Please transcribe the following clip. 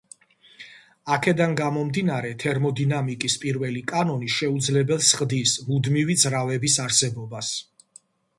აქედან გამომდინარე თერმოდინამიკის პირველი კანონი შეუძლებელს ხდის მუდმივი ძრავების არსებობას.